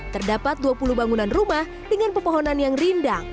terdapat dua puluh bangunan rumah dengan pepohonan yang rindang